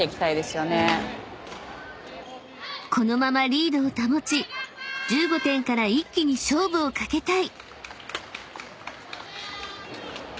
［このままリードを保ち１５点から一気に勝負をかけたい］